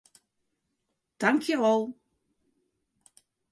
Tankjewol.